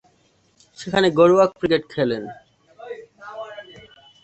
সেখানে ঘরোয়া ক্রিকেট খেলেন।